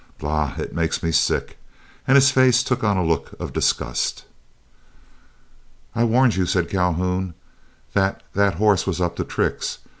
Bah! it makes me sick," and his face took on a look of disgust. "I warned you," said Calhoun, "that that horse was up to tricks.